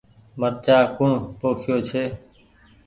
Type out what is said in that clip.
مرچآ ڪوڻ پوکيو ڇي۔